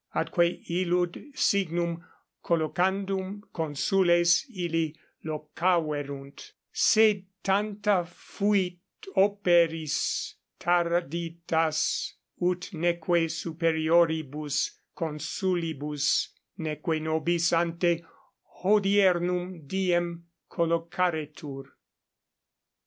Atque illud signum collocandum consules illi locaverunt, sed tanta fuit operis tarditas, ut neque superioribus consulibus neque nobis ante hodiernum diem collocaretur.